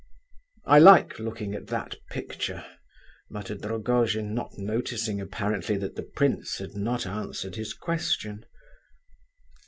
"I like looking at that picture," muttered Rogojin, not noticing, apparently, that the prince had not answered his question.